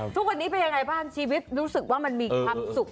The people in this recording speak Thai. ทุกวันนี้เป็นยังไงบ้างชีวิตรู้สึกว่ามันมีความสุข